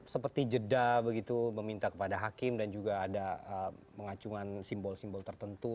seperti jeda begitu meminta kepada hakim dan juga ada mengacungan simbol simbol tertentu